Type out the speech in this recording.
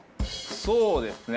そうですね。